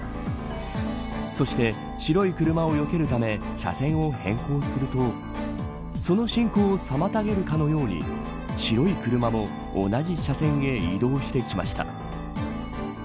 そして、白い車をよけるため車線を変更するとその進行を妨げるかのように白い車も同じ車線へ移動してきました。